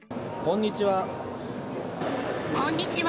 こんにちは。